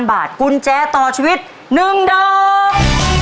๕๐๐๐บาทกุญแจต่อชีวิตนึงเดิม